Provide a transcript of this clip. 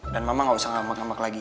dan mama gak usah ngambek ngambek lagi